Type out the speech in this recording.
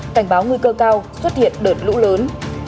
cảnh báo nguy cơ cao xuất hiện đợt lũ lớn